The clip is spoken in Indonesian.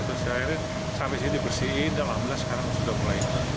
terus akhirnya sampai sini dipersihin dalam belas sekarang sudah mulai